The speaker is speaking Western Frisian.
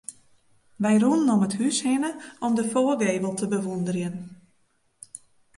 Wy rûnen om it hús hinne om de foargevel te bewûnderjen.